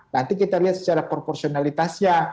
nanti kita lihat secara proporsionalitasnya